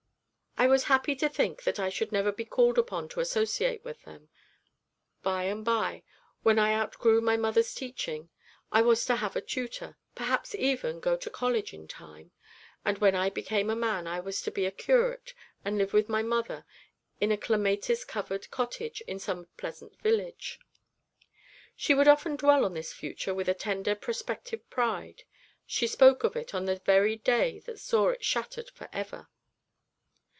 I was happy to think that I should never be called upon to associate with them; by and by, when I outgrew my mother's teaching, I was to have a tutor, perhaps even go to college in time, and when I became a man I was to be a curate and live with my mother in a clematis covered cottage in some pleasant village. She would often dwell on this future with a tender prospective pride; she spoke of it on the very day that saw it shattered for ever.